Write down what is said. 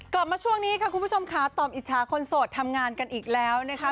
กลับมาช่วงนี้ค่ะคุณผู้ชมค่ะตอบอิจฉาคนโสดทำงานกันอีกแล้วนะคะ